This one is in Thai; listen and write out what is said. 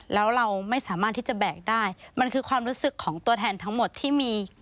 แล้วเราไม่สามารถที่จะแบกได้มันคือความรู้สึกของตัวแทนทั้งหมดที่มี